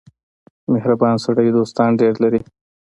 • مهربان سړی دوستان ډېر لري.